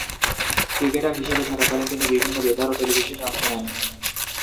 Cricketer হিসেবে থাকাকালীন তিনি বিভিন্ন বেতার ও টেলিভিশনে অংশ নেন।